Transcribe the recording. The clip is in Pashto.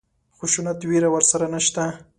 خشونت وېره ورسره نشته.